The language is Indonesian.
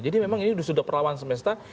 jadi memang ini sudah perlawan semesta